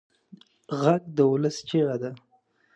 غږ د ولس چیغه ده